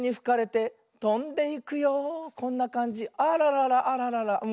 あらららあららら